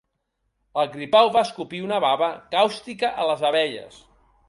El gripau va escopir una baba càustica a les abelles.